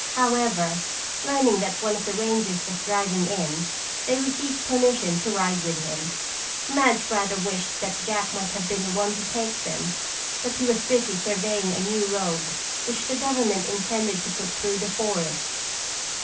However, learning that one of the rangers was driving in, they received permission to ride with him. Madge rather wished that Jack might have been the one to take them but he was busy surveying a new road which the government intended to put through the forest.